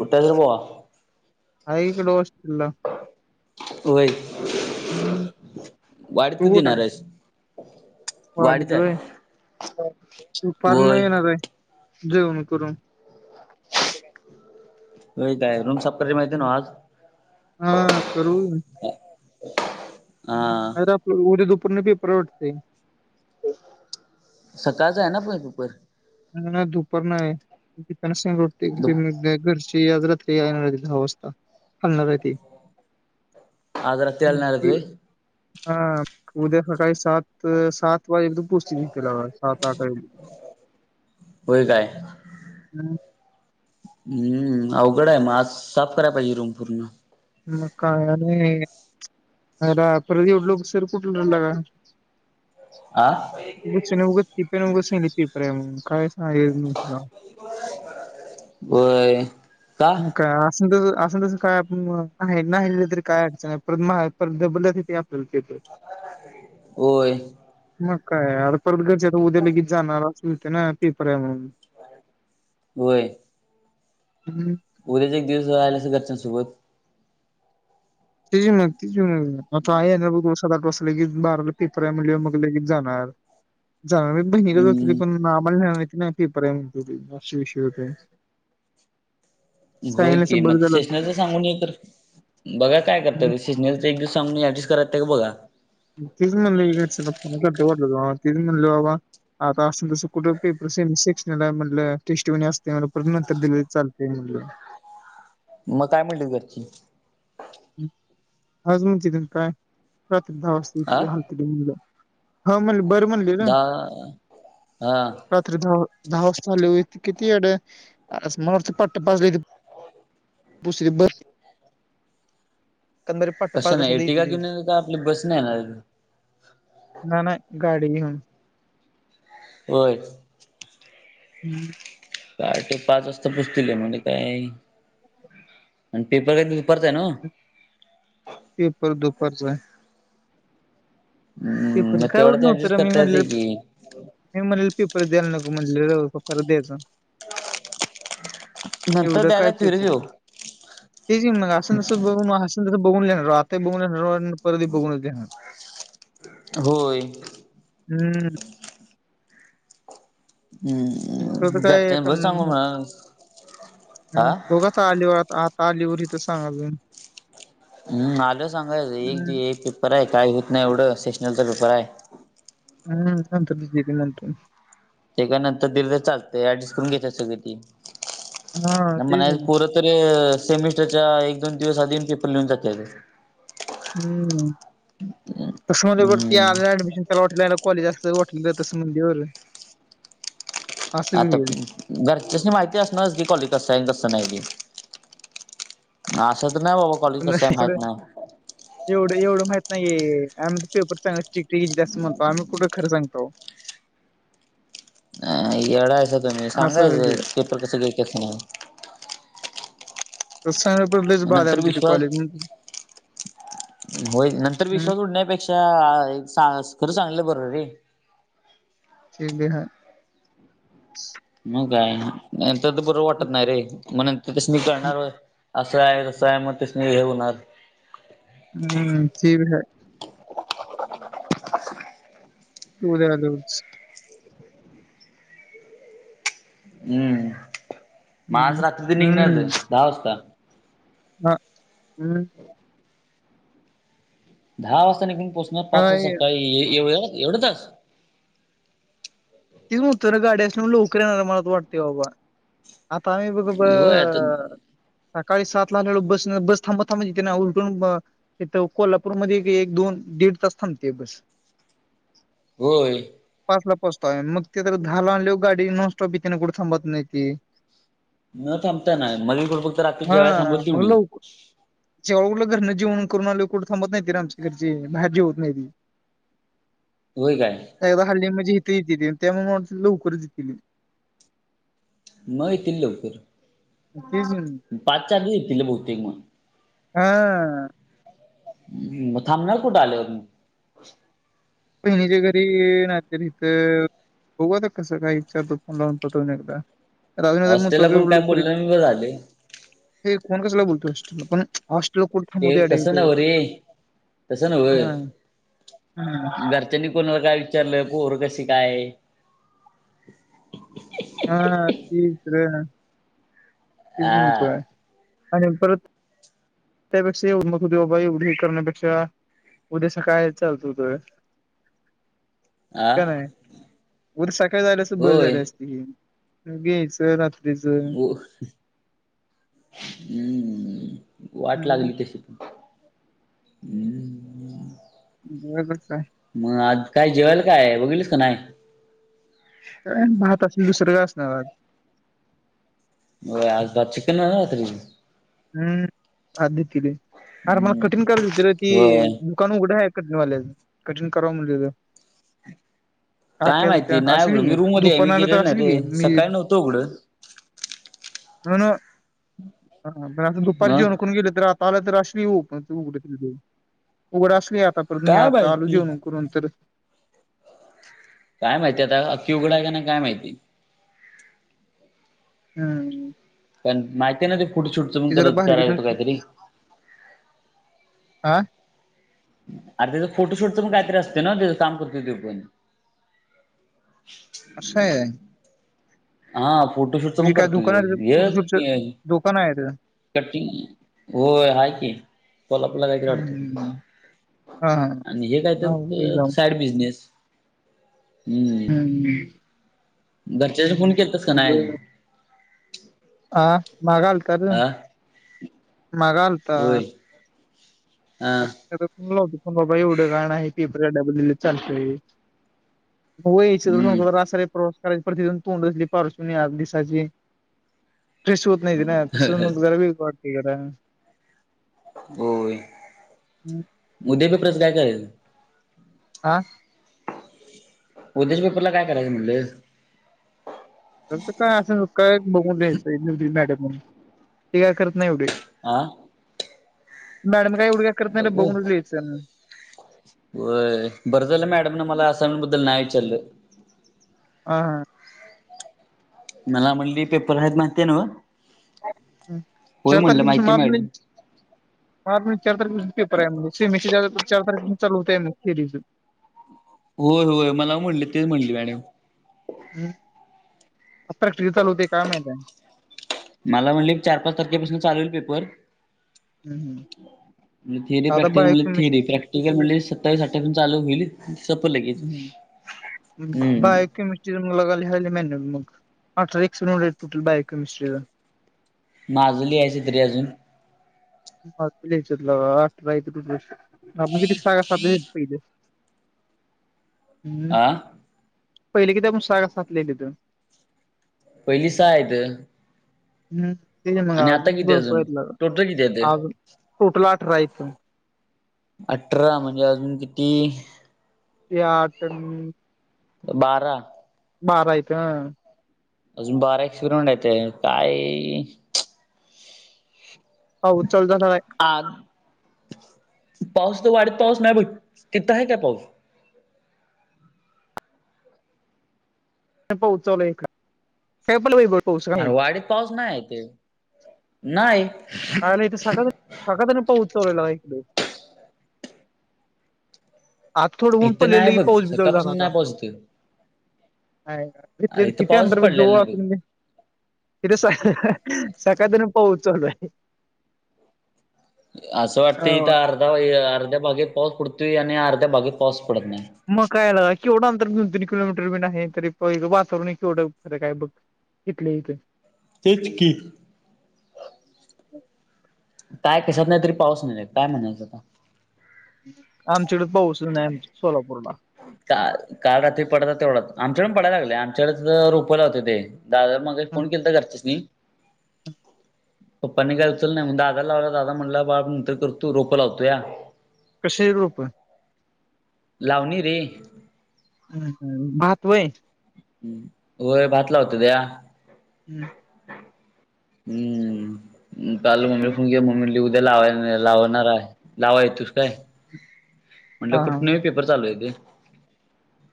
कुठयस बो. हाये इकडं होस्टेलला. होय हम्म. वाडीत तू कुठं आहे? येनारेस? वाडीत व्हय? दुपारण होय. येणारे. जेवण करून. अय तारे रुम सप री माहिती नव आज. हा करू हा नाही रे आपल उद्या दुपरुन पेपरे वाटते. सकाळच आहे ना पण पेपर. नाही दुपार नय. प स रते दुप घरची आजरात [unintelligible] ते येणारे दहा वाजता. हालणारे ते. आज रात्री आला मग नाही रे ते व्हय? हा उद्या सकाळी सात सात वाजे एकदम पोसतील. [inaudible] सात आठ वाजे होय काय? हम्म. हम्म अवघडे म. आज साफ करायला पाहिजे रूम पूर्ण. म काय आणि अ पर एवढलोकर सर कुठला रला का? आ. दिपेन उगाच सांगितलं पेपर म्हणून काय. हां एक मुद्दा होय. का? कायं असं तसं असं तसं कायं आपणं आहे नाहीले तरी कायं अडचण आहे परं मं परं ब आपल्यालां येतो होयं मंग कायं आर परंत घरच्यां आंता उद्यां गी जाणारं असते नां पेपर आहे म्हणूंन होयं हम्मं उद्याचं एक दिवसं राहिलासं घरच्यांसोबत ति मंग ति मंग मं आहे बरं सट वासले की बारांला पेपर आहे म्हणजे की जाणारं जाणारं मं बहिणीलांच हम्म पणं आम्हांला नाहीं माहित नां पेपर ये मंग कसां कसां विषय होतोय होय सांगितलं की असतं मं बरं झालं सेशनाच असतं सांगून तरं बघां कायं करतां रं सिजनलंचा एक दिवसांगणी करतं ते कां बघां तीचं म्हणले फ वाटतं म्हणले बाबां आंता असं तसं कुठं पेपर से सेक्शनला म्हटलं टेस्ट असते नंतर दिले चालते म्हटलं मंग कायं म्हटते घरची आंज म्हजिथूंन कायं रात्री दहा हा वाजंताथ हालतीलीलं हां म्हणले बरं म्हणले नां दहा हा रात्री दहा दहा वाजंता लं हो कितीडे मती पट्ट पाजले दूसरी बसं पट्ट पाजला कशाने येणारे सुद्धा एरटिका येतील कां आपलं बसं ने येणारे कायं नाहीं नाहीं गांडी घेऊन होयं हम्मं कांटे पांच वाजंता पुसतीलय म्हणजे कायं आणि पेपर कधीं दुपांरचा आहे नां पेपर दुपारचा आहे हम्म पेपरच मग कायं तेवढं येवढ ते नव्हतं ऍडजस्ट रे मी करता येते म्हणलं की नाहीं म्हणलं पेपर द्यांयला नको म्हणलं द्यायचं नंतर द्यांला फिर देऊ तेचं मंग असं जसं बघूंन तसं बघूंनणार आंताही बघूंनणार परध बघूंनचणार होयं हम्मं हम्मं तसं ते कायं हा बघं आंता अलीवरांत आंता अलीवर इथं सांगा हम्मं आलो सांगायच एक हं, एक पेपर आहे कांहीं होतं नाहीं एवढं स्टेशनरीचा पेपर आहे हम्मं नंतर सांगतो नंतर ते कां नंतर दीर्द चालतंय ऍडिस्ट करूंन घेतं सगळीं ती हां, तेच म्हणलं ना. पोरंत सेमिस्टरच्या एक दोन दिवसं आधीच पेपर लिहूंन जाते हम्मं बसं मध्यें वरती हम्म आलय अ‍ॅडमिशन त्यांला वाटलं यला कॉलेज असतं वाटलं तसं म्हणाली बरं आंता होईल. घरच्यांसनी माहिती असणांरच की कॉलेज कसं आहे कसं नाहीं ते असं तरं नाहीं बाबां कॉलेजचा पण कसं आहे माहीत एवढं नाहीं एवढं एवढं माहित नाहीं ये आम्हीं पेपर चांगला चित्ती आम्हीं कुंठे खरं सांगतो अ येढांयच तुम्हीं असा विषय सांगायचं आहे. पेपर कसं गेलां कसां नाहीं तस सांगयच तर लईच बादाय नंतर आमच्या येथे कॉलेज विश्वास मधल होय नंतर हं. विश्वास उडण्यापेक्षा सा खरं सांगितलेल बर रे - - ठीक दे हाय मग काय नंतर ते बर वाटत नाही रे म नंतर त्यासनी कळणार होय. असाय तसाय मग त्यासनी हे होणार हम्म ते बो हाय तु उद्या [unintelligible] हम्म मग आज हम्म रात्री ते निघणारच हायत दहा वाजता. हा हम् दहा वाजता निघून पोचण पाच वाज अय, सकाळी एवढं लाच एवढा तास तेच म्हणतोय र गाडी असल्या लवकर येणार मलात वाटते बाबा आता आम्ही बघ ब होय आता - - सकाळी सात ला आलेलो बसनं. बस थांबत थांबत येते ना? उलटून इथ कोल्हापूरमध्ये एक दोन दीड तास थांबते बस. होय. पाचला पोचताय मग ते तर दहाला आणल्यावर गाडी नॉनस्टॉप येतीन कुठे थांबत नाही ती. न थांबता नाय मध्ये कुठतर फक्त रात्री जेवाय थांबल तर तेवढीच. जेवायला कुठलं घरन जेवण करून आलय. कुठे थांबत नाहीत र आमच्या घरची. बाहेर कुठ जेवत नाहीती. होय काय? एकदा हल्ली म्हणजे इथ येतेती त्यामुळे मला वाटत लवकरच येतीली. मग येतील लवकर [unintelligible] पाचच्या आधी येतील बहुतेक मग. हा. म थांबणार कुठ आल्यावर मग? बहिणीच्या घरी नाहीतर इथं बघू आता कसं काही विचारतो फोन लावून करून एकदा राहू दे नाहीतर म तू हॉस्टेलला कोण काय बी बोललं नाही झाले [unintelligible] ए फोन कशाला बोलतोयस देव पण ऑस्ट ते तस नव रे तस नव हा हा. घर त्यांनी कोणाला काय विचारलं पोर कशी काय? हा तीच र तीच आ नकोय आणि परत त्यापेक्षा [unintelligible] होती बाबा एवढी ही करण्यापेक्षा उद्या सकाळी याय चालत होत. [inaudible] आ का नाही उद्या सकाळी झाल्यास बर होय झाली असती. बीन च रात ओ हम् वाट हा, लागली तशी हम् बर बर चाय मग आज काय जेवायला काय बघितलीस का नाही? काय आणि भात असतय दुसर काय असणार आज? होय आज भात चिकन हाय ना रात्री हम्म आधी तिले अर मला हम्म कठीण करायच होती रे ती होय दुकान उघडाय कटिंगवाल्याचा कटिंग कराव म्हणल तर काय टाक्या माहिती धुत्यान नाही उघडं मी असलीय रूम मध्ये तु आहे पण मी आलो गेलेलो तर नाही असलीय रे मी सकाळी नव्हतं उघडं [unintelligible] हा, बर अजून दुपारी जेवण मग करून गेले, तर आता आला तर असतोय की, ओपनच उघड - तिघड, उघड असल्या. आता परत नाय काय आता, आलू माहिती जेवण करून तर काय माहितीय आता आखी उघड आहे का नाय काय माहिती हम्म, पण माहिती आहे ना, ते फूटशूटच पण करत करायचं काहीतरी आ अरे, त्याच फोटोशूटचं पण काहीतरी असतय ना, ते काम करतोय तो पण अस हाय, हा, फोटोशूटच म्हणजे पण काय करतो दुकान आहे ह्यो च फोटोशूटचं की, दुकान आहे ते करतय की होय आहे, की, कोल्हापूरला काय तर आहे वाटतं. हम्म हा हा आणि हे काय तर साईड बिजनेस. हम्म, हम्म, घरच्या ह्याच्यावर फोन केलतास का नाही? हा, माग आलतार र आ माग आल होय, हा [unintelligible] व्हय, सगळं बाबा हम्म रासारी प्रवचन करायची, प्रत्येक जण तोंड कसली पारुशी दिसायची. स्ट्रेस होत नाही ना, तस मग जरा दरीबी वाटते जरा, होय, उद्या पेपराच काय करायचं. आ, उद्याच्या पेपरला काय करायचं म्हटलं. कस काय, असल काय, बघून द्यायचं मॅडम म्हणून ते काय करत नाही एवढी. आ, मॅडम, काय एवढ काय करत नाही रे बघू बघूनचं लिहायच. होय, बरं झालं मॅडम न मला असाइन्मेंट बद्दल नाही विचारलं. आ हा, मला म्हटली पेपर आहेत. माहिती न्हव, होय चार म्हटलं तारखेपासून माहितीय मार्च मॅडम. [unintelligible] होय होय, मला म्हणली ते म्हणली मॅडम. हम्म, प्रॅक्टिकल चालू होतंय काय माहित मला म्हणली, एक- चार -पाच तारखेपासून चालू होईल पेपर. हम्म, थेरी प्रॅक्टिकल म्हणजे थेरी प्रॅक्टिकल म्हटले सत्तावीस -अठ्ठावीस चालू होईल. सप लगेच हम्म, [unintelligible] माझं लिहायचंत रे अजून [unintelligible] हम्म, आ पहिले किती आपण सहा का सात लिहिलेत. पहिली सहा हायेत. हम्म, ते मग अजून किती भरपूर आहेत. इथलं टोटल किती आहेत अजून टोटल अठरा आहेत. अठरा म्हणजे अजून किती ते आठ आणि बारा मारायचं. [unintelligible] [unintelligible] आ पाऊस तर वाढत पाऊस नाही ब तिथ आहे काय पाऊस? पाऊस चालू इकडे [unintelligible] अरे वाडीत पाऊस नाही आहे इथे नाही. [unintelligible] सकाळ जरन पाऊस चालू लका इकडे [unintelligible] आता थोडं ऊन इथं पडलेलं नाही की बघ पाऊस बि लगे चालू झाला सकाळपासून आता नाही पाऊस इथं हाय. तथ इथं किती पाऊसच अंतर पडलेला जवळ. नाही बघ [unintelligible] तिथे [unintelligible] सकाळ जरन पाऊस चालू हाय. असं अ वाटतं इथ अर्धा अर्ध्या भागेत पाऊस पडतोय आणि अर्ध्या भागेत पाऊस पडत नाही. मग काय लगा केवढं अंतर दोन तीन किलोमीटर बी नाही तरी वातावरण केवढं फरक आहे बघ. इथल्या इथ. तेच की. काय कसात नाही तरी पाऊस नाही काय म्हणायचं आता. आमच्याकडे पाऊसच नाही आमच्या सोलापूरला. काल काल रात्री पडला तेवढा आमच्याकडे पडायला लागले आमच्याकडे तर रोपला लावत्याती. दादा न मगाशी हं. फोन केलता घरच्यासनी. [unintelligible] पप्पांनी काय उचला नाही मग दादाला लावल्यावर दादा म्हणला बाळ नंतर करतो रोप लावतोया. कशाची रोप? लावणी रे. हम हम भात व्हय. होय भात लावत्यात. हम्म हम् काल मम्मीला फोन घ मम्मी लि. [unintelligible] [unintelligible] लाय लावणार लावा येतुस काय म्हटलं हा कुठ नाही प बर चालू आहे ते.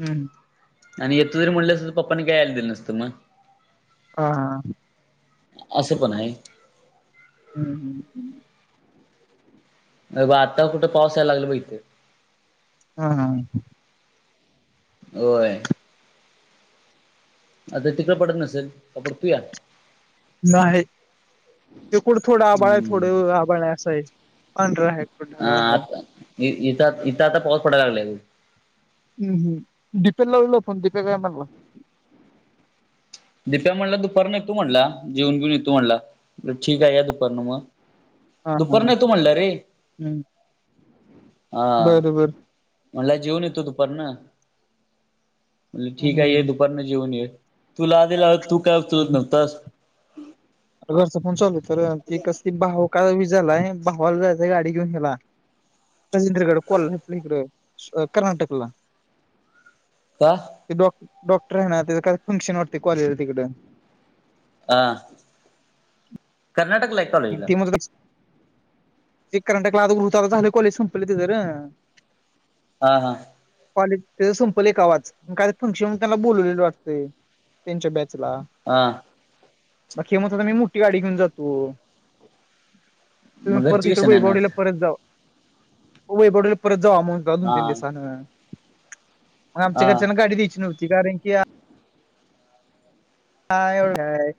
हम् आणि येतो जरी म्हणल असतं तर पप्पांनी काय यायला दिल नसत मग. हा हा असं पण आहे. हम हम [unintelligible] बघ आता कुठ पावस यायला लागला बघ इथ. हा हा होय आता तिकडं पडत नसेल का पडतोया? नाही तकूड थोडं आबाळ आहे थोड हम्म आबाळ आहे असं आहे पांढरा आहे. कुठं हा ढगाळ आहे आता इथ इथं आता पाऊस पडायला लागला त. हम्म हम् दीप्या ला फोन दिप्या काय म्हटलं? दिप्या म्हणला दुपार न येतो तू म्हणला जेवन घेऊन येतू म्हणला. म्हणलं ठीक आहे या दुपारन मग. हा हा दुपारनं येतो म्हणलाय रे. हम्म बरं बरं म्हणला जेऊन येतो दुपारनं म्हणल ठीक आहे ये हम्म दुपारनं जेऊन ये. तुला आधी लावल्यावर तू काय उचलत नव्हता. घरचं पण चालू तर ती कस त भाव का झालाय भावाला जायचं गाडी घेऊन हेला. राजेंद्रगड कोल [unintelligible] आपल्या इकडे कर्नाटकला. का? ते डॉक् डॉक्टर आहे ना. त्याच काही फंक्शने वटते. कॉलेजला तिकड. हा. कर्नाटकलाय. ते म्हणत होता. ते कर्नाटकला आता [inaudible] झाल कॉलेज संपले तेचर. हा हा. कॉलेज त्याच संपलय कवाच. काय तरी ते फंक्शन होत म त्यांना बोलवलेले वाटतय. त्यांच्या बॅचला. हा. आक्या म्हणत होता मी मोठी गाडी घेऊन जातो. तुम्ही मग घरची परत कशानं येणार वैभववाडीला परत जाऊ. वैभववाडीला परत जाऊ. आ म हा दोन-तीन दिवसांनी. मग आमच्या हा घरच्यांना गाडी द्यायची नव्हती. कारण की हा एवढाय.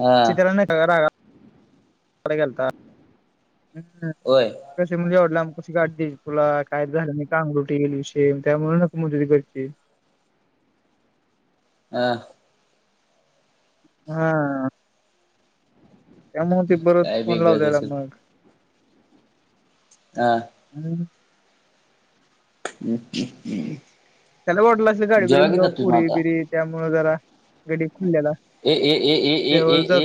हा चितर क [unintelligible] कडे गेलता. हम्म. होय कसे म्हणजे एवढ्या लांब कशी द्यायची गाडी तुला. काही झालं तर अंगलटी येईल विषय. त्यामुळे नको म्हणत होते घरचे. ह. ह. त्यामुळे ते परत काय फोन वेगळंच लावलेला असेल मग. हा. अम्म. हम् हम् हम् [unintelligible] त्याला काय वाटलं असेल. गाडी बिडी घेऊन जाऊ पोरी आता बिरी त्यामुळे जरा गडी खुलेला. ए ए ए ए देवाला ए जा ए